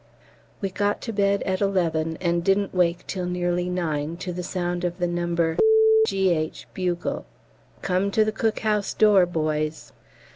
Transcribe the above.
We got to bed about 11 and didn't wake till nearly 9, to the sound of the No. G.H. bugle, Come to the Cook house door, boys.